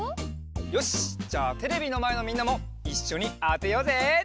よしじゃあテレビのまえのみんなもいっしょにあてようぜ！